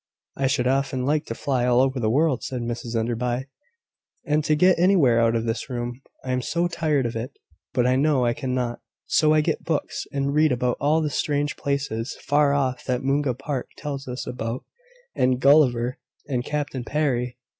"I should often like to fly all over the world," said Mrs Enderby, "and to get anywhere out of this room I am so tired of it: but I know I cannot: so I get books, and read about all the strange places, far off, that Mungo Park tells us about, and Gulliver, and Captain Parry.